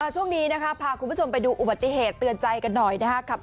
ช่วงนี้นะคะพาคุณผู้ชมไปดูอุบัติเหตุเตือนใจกันหน่อยนะครับ